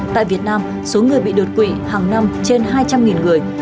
tại việt nam số người bị đột quỵ hàng năm trên hai trăm linh người